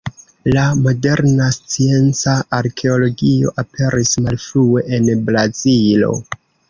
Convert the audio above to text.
La moderna scienca arkeologio aperis malfrue en Brazilo.